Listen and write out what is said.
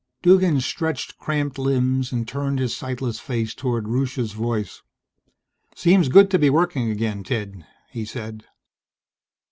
Duggan stretched cramped limbs and turned his sightless face toward Rusche's voice. "Seems good to be working again, Ted," he said.